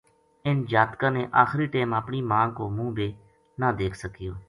اِنھ جاتکاں نے آخری ٹیم اپنی ماں کو منہ بے نہ دیکھ سکیو